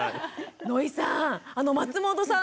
野井さん松本さんの親子